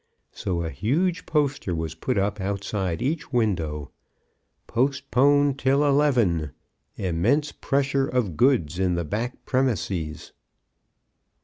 So a huge poster was put up outside each window: POSTPONED TILL ELEVEN. IMMENSE PRESSURE OF GOODS IN THE BACK PREMISES.